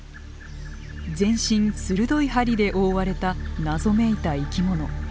全身鋭い針で覆われた謎めいた生き物。